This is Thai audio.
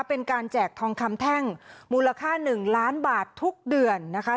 เป็นการแจกทองคำแท่งมูลค่า๑ล้านบาททุกเดือนนะคะ